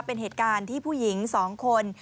เป็นเหตุการณ์ที่ผู้หญิง๒คน